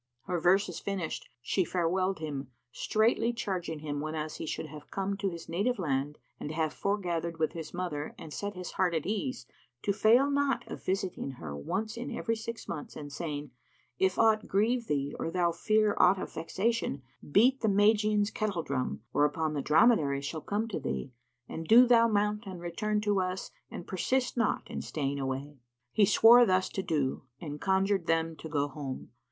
Her verses finished she farewelled him, straitly charging him, whenas he should have come to his native land and have foregathered with his mother and set his heart at ease, to fail not of visiting her once in every six months and saying, "If aught grieve thee or thou fear aught of vexation, beat the Magian's kettle drum, whereupon the dromedaries shall come to thee; and do thou mount and return to us and persist not in staying away." He swore thus to do and conjured them to go home.